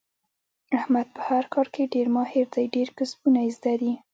احمد په هر کار کې ډېر ماهر دی. ډېر کسبونه یې زده دي.